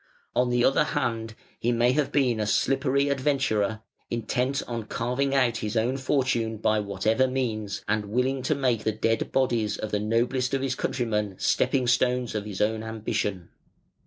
On the other hand, he may have been a slippery adventurer, intent on carving out his own fortune by whatever means, and willing to make the dead bodies of the noblest of his countrymen stepping stones of his own ambition.